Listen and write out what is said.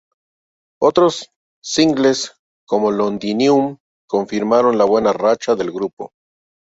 Otros singles como Londinium confirmaron la buena racha del grupo.